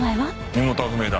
身元は不明だ。